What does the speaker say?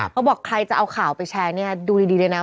เขาบอกใครจะเอาข่าวไปแชร์เนี่ยดูดีเลยนะ